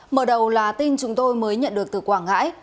mở đầu là tin chúng tôi mới nhận được từ quảng ngãi